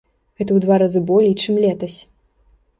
Гэта ў два разы болей, чым летась.